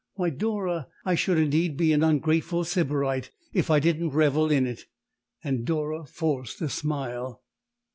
Why, Dora! I should indeed be an ungrateful Sybarite if I didn't revel in it." And Dora forced a smile.